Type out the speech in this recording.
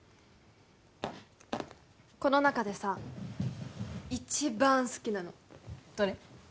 この中でさ一番好きなのどれ？